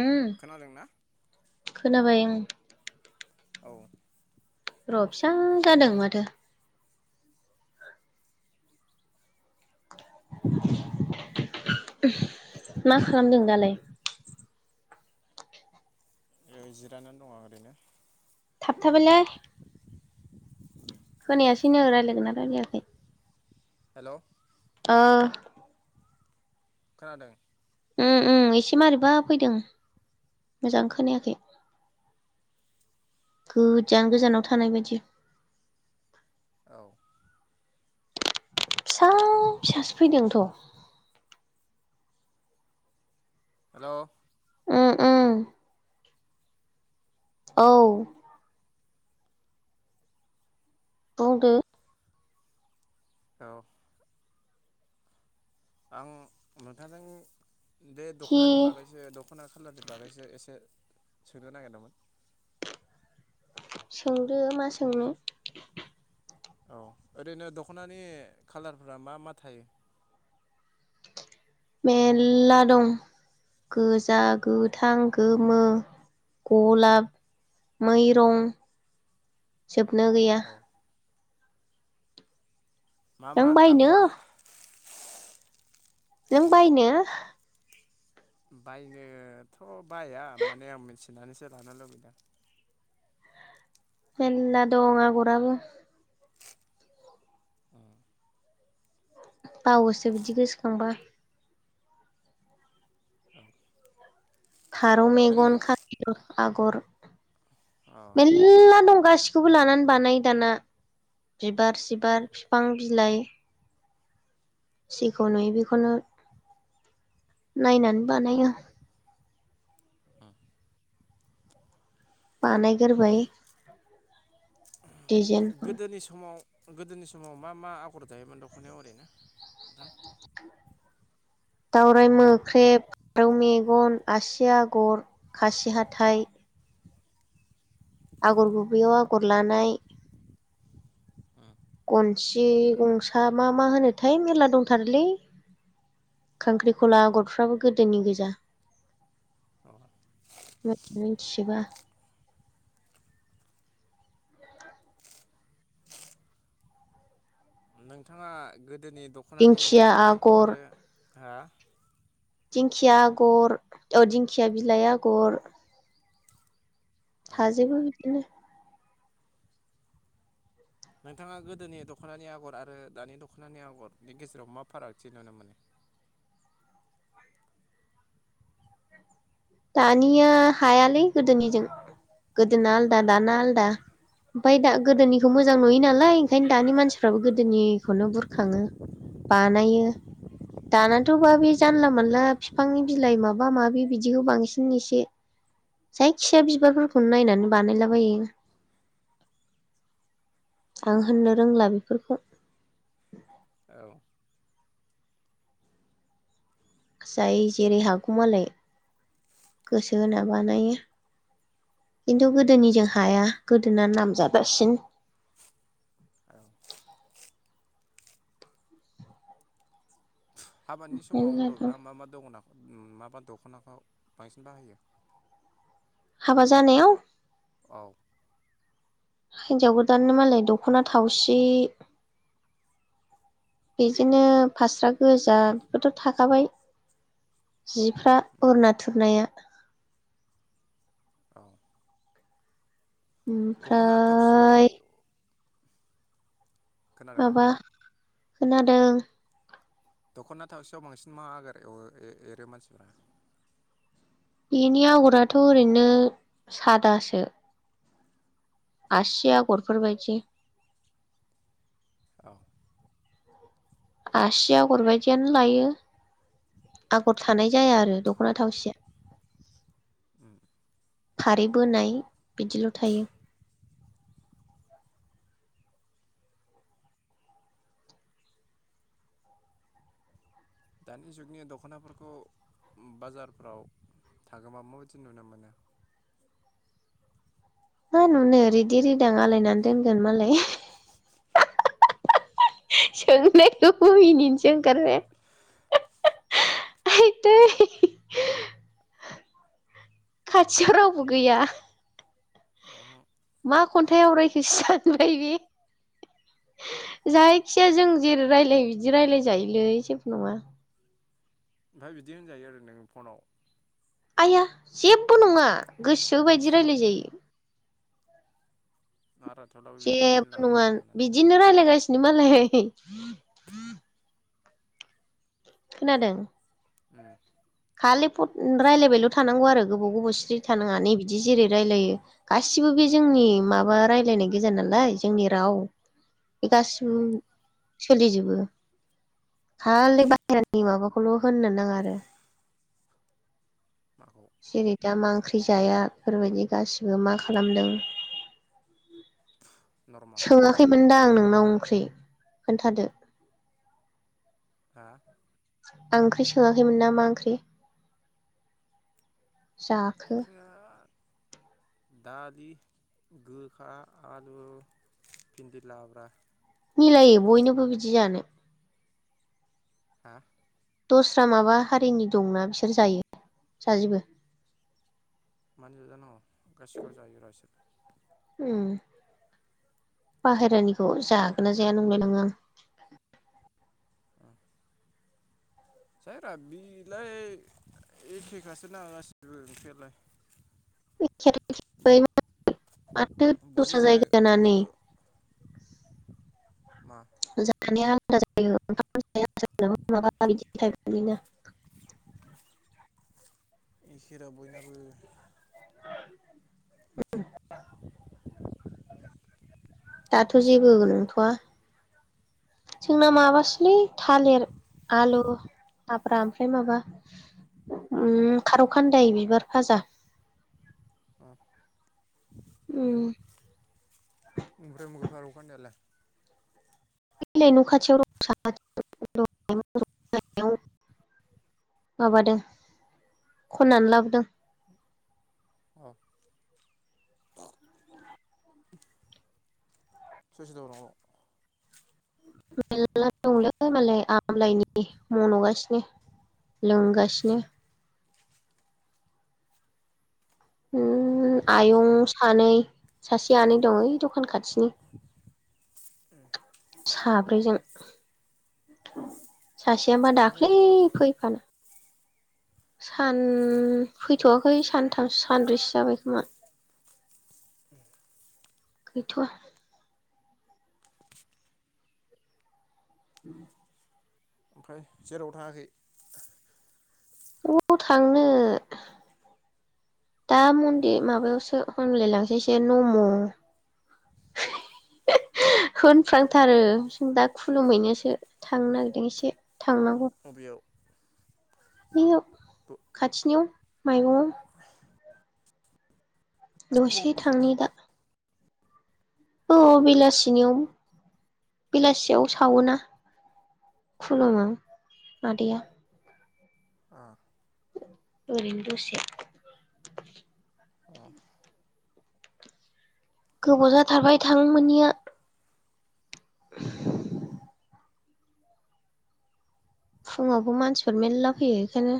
उम खोनादोंना? खोनाबाय ओं। औ। र' फिसा जादों माथो। मा खालामदों दालाय? ओ जिरायनानै दङ ओरैनो। थाब थाबायलै खोनायासैनो रायज्लायगोन ना रायलायाखै? हेल'! ओ। खोनादों? उम उम एसे मारैबा फैदों मोजां खोनायाखै गोजान गोजानाव थानाय बायदि। औ फिसा फिसासो फैदोंथ'। हेल'! ओम ओम। औ। बुंदो औ। आं नोंथांजों बे हि दख'नानि बागैसो दख'ना खालारनि बागैसो एसे सोंनो नागिरदोंमोन। सोंदो मा सोंनो। औ ओरैनो दख'नानि खाालारफ्रा मा मा थायो? मेरला दं गोजा, गोथां, गोमो, गलाब, मै रं जोबनो गैया। औ मा नों मा बायनो आगर? नों बायनो? बायनोथ' बाया माने आं मोनसे सोंनानैसो लानो लुबैदों। मेरला दंङा आगराबो। औ बावोसो बिदि गोसोखांबा। औ। फारौ मेगन, खाफिर आगर अ मेलला दं गासिखौबो लानानै बानायो दाना बिबार सिबार बिफां बिलाइ जेखौ नुयो बेखौनो नायनानै बानायो। औ बानायगोरबाय गोदोनि समाव गोदोनि समाव मा मा आगर दायोमोन दख'नायाव ओरैनो नोंथां? दावराय मोख्रेब, फारौ मेगन, आसि आगर, खासि हाथाइ आगर गुबैयाव आगर लानाय नोंथां गनसि गंसा मा मा होनोथाय मेर्ला दंथारोलै खांख्रिखला आगरफ्राबो गोदोनि गोजा अ मि मिथिजोबा नोंथाङा गो दोनि दखनानि दिंखिया बागै आगर आरो हा दिंखिया आगर अ' दिंखिया बिलाइ आगर औ हाजोबो बिनो नोंथाङा गोदोनि द'खनानि आगर आरो दानि द'खनानि आगरनि गेजेराव मा फारागथि नुनो मोनो? दानिया हायालै गोदोनिजों। गोदोना आलदा दाना आलदा ओमफाय दा गोदोनिखौ मोजां नुयो नालाय ओंखायनो दानि मानसिफ्राबो गोदोनिखौनो बुरखाङो बानायो दानाथ' बा बे जानला मानला बिफांनि बिलाइ माबा माबि बिदि बिदिखौ बांसिन एसे दि जायखिया बिबारफोरखौनो नायनानै बानायलाबायो आं होननो रोंला बेफोरखौ। औ जाय जेरै हागौ मालाय गोसो होना बानायो उम खिन्थु गोदोनिजों हाया गोदोना नामजादासिन। औ हाबानि समाव मेरला दं बर'फ्रा मा मा द'खना माबा द'खनाखौ बांसिन बाहायो? हाबा जानायाव? औ हिन्जाव गोदाननो मालाय दख'ना थावसि बिजोंनो फास्रा गोजा बेफोरथ' थाखाबाय जि फ्रा उम अरुना थुरनाया। औ दख'ना थावसियाव ओमफ्राय खोनादोंना? माबा खोनादों दख'ना थावसेयाव बांसिन मा आगार एवो ए एरो मानसिफोरा? बेनि आगराथ' ओरैनो सादासो। आसि आगरफोरबायदि औ आसि आगर बायदियानो लायो आगर थानाय जाया आरो दख'ना थावसिया। उ फारि बोनाय बिदिल थायो। दानि जुगनि दख'नाफोरखौ बाजारफ्राव थाङोबा माबायदि नुनो मोनो? मा नुनो रिदि रिदां आलायनानै दोनगोन मालाय सोंनायखौबो मिनिनोसो ओंखारबाय आइदै खाथियाव रावबो गैया मोनो मा खन्थाइ आवरायखोसो सानबाय बे जायखिजाया जों जेरै रायलायो बिदि रायलाय जायोलै जेबो नङा। ओमफ्राय बिदि होनजायो आरो नों फनाव। आइया जेबो नङा गोसोबायदि रायज्लाय जायो। नारा थेवब्लाबो बिदि जेबो मिनिलाबायनो नङा हानानै बिदिनो रायलायगासिनो मालाय। [inaudible] खोनादों? उम खालि फथ रायलायबायल' थानांगौ आरो गोबाव गोबाव स्रि थानाङा नै बिदि जेरै रायलायो गासिबो बे जोंनि माबा रायलायनाय गोजा नालाय जोंनि राव। बे गासिबो औ सोलिजोबो। खालि बाहेरानि माबाखौल' होननो नाङा आरो। माखौ जेरै दामा ओंख्रि जाया फोरबायदि गासिबो मा खालामदों। नर्माल सोङाखैमोनदांं नों नाव ओंख्रि खोन्थादो। हा? ओंख्रि सोङाखैमोन ना मा ओंख्रि जाखो? ओंख्रिया दालि गोखा आलु भिन्दि लाब्रा। मिलायो बयनोबो बिदि जानो। हा? दस्रा माबा हारिनि दंना बिसोर जायो जाजोबो? मानो जानांगौ गासिखौबो जायो र' इसोर उम बाहेरानिखौ जागोन ना जाया नोंलाय लाङो आं। [inaudible] जायोरा बिलाय एखेखासो ना गासिबो ओंख्रियालाय। [unintelligible] बयबो दस्रा जानाय जायगाना नै। बयबो [inaudible] [unintelligible] [inaudible] दाथ' नोंसिना जेबो लाब्रा ओंख्रिया नंथ'आ। जोंना माबासोलै थालिर आलु। लाब्रा ओमफ्राय माबा उम खारौ खान्दाय बिबार भाजा। [unintelligible] उम। ओमफ्राय [unintelligible] खारौ खान्दायालाय। ओइ लाय [unintelligible] माबादों खन्नानै लाबोदों। [unintelligible] सो सोर दं न'आव? मेल्ला दंलै मालाय आमलायनि मन'गासिनो लोंगासिनो। ओम आयं सानैै सासे आनै दं ओइ द'खान खाथिनि। [inaudible] साब्रैजों सासेया हबा सासे दाख्लै फैयाखै नामा फैफानो सान फैथ'वाखै सानथामसो सानब्रैसो जाबाय खोमा। [inaudible] गैथ'आ। उम ओमफ्राय जेरावबो थाङाखै? अबाव थांनो दा मन्दिर माबायावसो हमलायलांसैसो नम' होनफ्रांथारो जों दा खुलुमहैनोसो थांनो नागिरदों एसे। थांनांगौ। बबेयाव बैयाव खाथिनियाव। माइग दसे थांनि दा। औ बेलासिनियाव बेलासियाव सावोना खुलुमो मादैया। ओ। ओरैनो दसे। औ। गोबाव जाथारबाय थांनो मोनैया। अ। फुङावबो मानसिफोर मेरला फैयो बेखायनो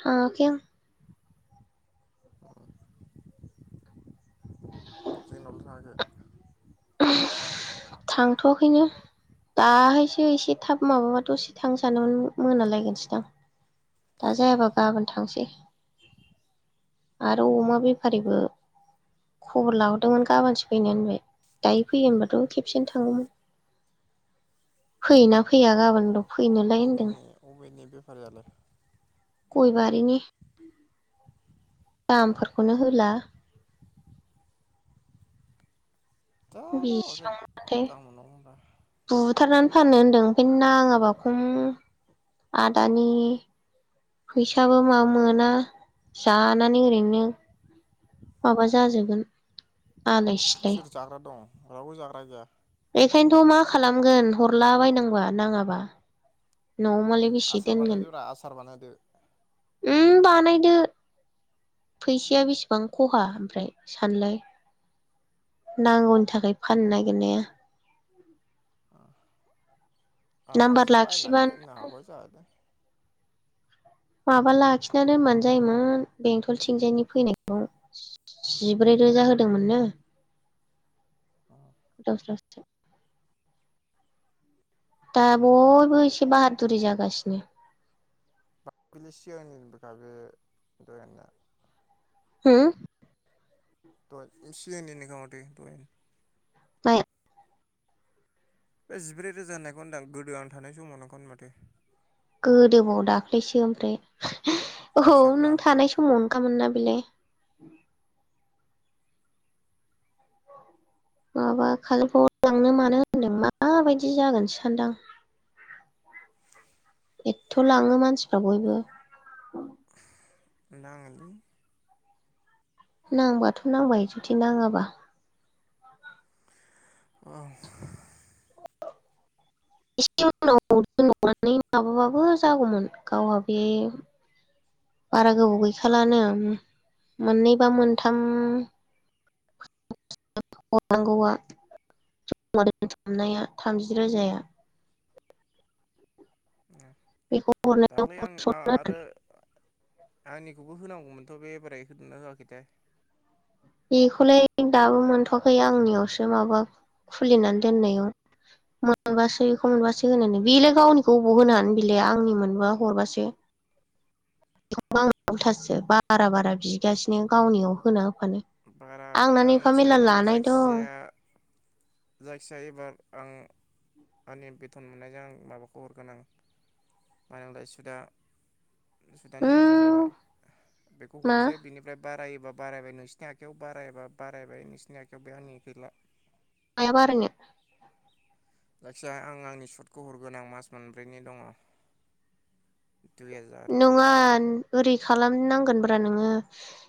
थाङाखै आं। जे रावबो थाङाखै? थांथ'वाखैनो दाहायसो एसे थाब माबाबा दसे थांनो सानदोंमोन मोनालायगोनसोदां। दा जायाबा गाबोन थांसै। आरो अमा बेफारिबो खबर लाहरदोंमोन गाबोनसो फैनो होनबाय। दायो फैयो होनबाथ' खेबसेनो थांगौमोन फैयोना फैया गाबोन दं अबेनि अबेनि बे यालाय गयबारि नि। दामफोरखौनो होला। जारला बेसेबां मोनथाय दाम दं होनबा बुथारनानै फाननो होनदों ओमफाय नाङाबा खम आदानि फैसाबो माबा मोना जानानै ओरैनो माबा जाजोबगोन। आलाय सिलाय सोर जाग्रा दं? रावबो जाग्रा गैया। बेखायनोथ' मा खालामगोन हरला बायनांबा नाङाबा। न'आव मालाय बेसे आसार दोनगोन बानायदो रा आसार बानायदो। उम बानायदो। फैसाया बेसेबां खहा ओमफ्राय सानलाय नांगौनि थाखाय फाननो नागिरनाया। [inaudible] आ नाम्बार मासे बाय ना लाखिबा दोननो हागन दा। माबा लाखिनानै दोनबानो जायोमोन बेंथलथिंजायनि फैनायखौ जिब्रै रोजा होदोंमोननो। गोदाव सोरावसो। दा बयबो एसे बाहादुरि जा गासिनो। [unintelligible] सिगांनिबोखा बे दयाना हुम? दहाय सिलान्निनो खा माथो दहय। माया? बे जिब्रै रोजा होननायखौ होनदां गोदो आं थानाय समाव नंखौनो माथो। गोदोबाव दाख्लैसो ओमफ्राय। औ जायखिजाब्रा नों थानाय समानो खामोन ना बेलाय माबा खालुफुआव लांनो मानो होनदों माबायदि जागोनसो सानदां। एथथ' लाङो मानसिफ्रा बयबो। नाङोलि। नांबाथ' नांबाय जुदि नाङाबा? औ। एसे उनाव [unintelligible] नानै माबाबाबो जागौमोन गावहा बे बारा गोबाव गैखालानो मोननै बा मोनथाम [unintelligible] हरनांगौआ। जमा दोनथुमनाया थामजि रोजाया। बेखौ हरनो दाख्लै आं थिसनदों आ-आरो आंनिखौ बेबो होनांगौमोनथ' बे एबार होदोंना होआखैथाय। बेखौलाय दाबो मोनथ'वाखै आंनियावसो माबा खुलिनानै दोननायाव मोनबासो बेखौ मोनबासो होनो नो। बेलाय गावनिखौ बबाव होनोनो बिलाय आंनि मोनबा हरबासो। बेखौबा आंनाव उलथासो बारा बारा बिगासिनो गावनियाव होना होफानो। आंना बाराखौथ' नै आं एफा मिथिया मेरला एबार लानाय दं जायखिजाया आं आंनि बेथन मोननायजों आं माबाखौ हरगोन आं मानो होनोमोनलाय सुदा। सुदा उम नै हाजार जाबाय। बेखौ मा हरसै बिनिफ्राय बारायोबा बारायबायनो नोंनि आखायाव बारायबा बारायबाय नोंसिनि आखायाव बे आंनि गैला। माया बारायनो? जायखिजाया आं आंनि सुटखौ हरगोन आं मास मोनब्रैनि दङ दुइ हाजार नङा ओरि खालामनांगोनब्रा नोङो